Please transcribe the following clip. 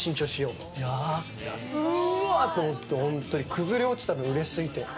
崩れ落ちたもん、うれしすぎて。